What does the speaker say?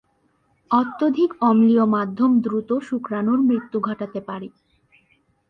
অত্যধিক অম্লীয় মাধ্যম দ্রুত শুক্রাণুর মৃত্যু ঘটাতে পারে।